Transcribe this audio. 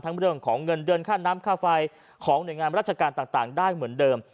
เรื่องของเงินเดือนค่าน้ำค่าไฟของหน่วยงานราชการต่างได้เหมือนเดิม